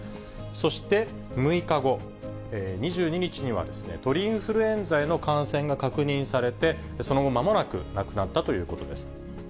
そして６日後、２２日には、鳥インフルエンザへの感染が確認されて、その後まもなく亡くなったということです。